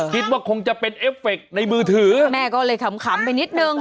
คิดว่าคงจะเป็นเอฟเฟคในมือถือแม่ก็เลยขำไปนิดนึง